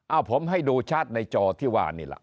เอาผมให้ดูชาร์จในจอที่ว่านี่แหละ